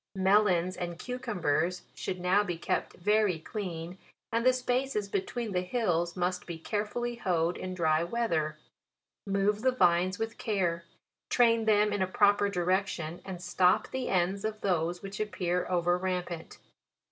MELONS and CUCUMBERS should now be kept very clean, and the spa ces between the hills must be carefully hoed in dry weather ; move the vines with care, train them in a proper direction, and stop the ends of those which appear over rampant.